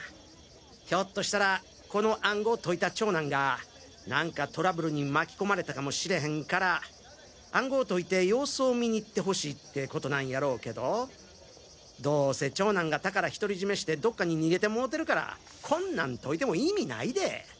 ひょっとしたらこの暗号解いた長男が何かトラブルに巻き込まれたかもしれへんから暗号解いて様子を見に行ってほしいってコトなんやろうけどどせ長男が宝ひとり占めしてどっかに逃げてもうてるからこんなん解いても意味ないで。